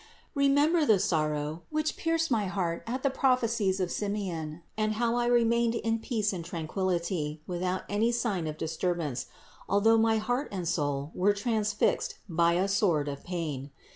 Remember the sorrow, which pierced my heart at the prophecies of Simeon, and how I re mained in peace and tranquillity, without any sign of disturbance, although my heart and soul were trans fixed by a sword of pain.